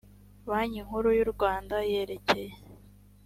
banki nkuru y u rwanda yerekeye